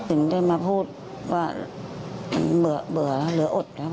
ถึงได้มาพูดว่าเบื่อแล้วเหลืออดแล้ว